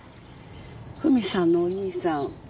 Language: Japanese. フミさんのお兄さん。